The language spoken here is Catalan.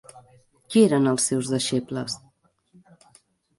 Qui eren els seus deixebles?